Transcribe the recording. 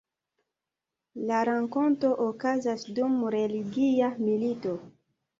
La rakonto okazas dum religia milito.